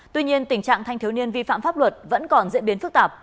tuy nhiên tình trạng thanh thiếu niên vi phạm pháp luật vẫn còn diễn biến phức tạp